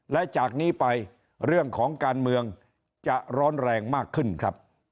และจากนี้ไปเรื่องของการเมืองจะร้อนแรงมากขึ้นครับ